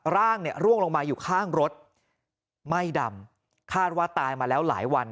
ร่างเนี่ยร่วงลงมาอยู่ข้างรถไหม้ดำคาดว่าตายมาแล้วหลายวัน